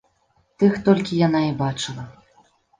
Тых толькі яна і бачыла.